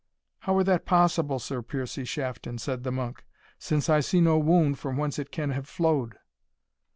"How were that possible, Sir Piercie Shafton," said the monk, "since I see no wound from whence it can have flowed?"